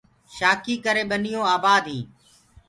شآکيٚ ڪري ٻنيونٚ آبآد هينٚ۔